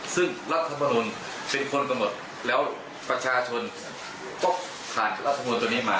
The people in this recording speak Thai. ซึ่งรัฐมนุนเป็นคนกำหนดแล้วประชาชนต้องผ่านรัฐมนุนตัวนี้มา